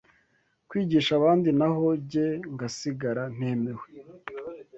kwigisha abandi naho jye ngasigara ntemewe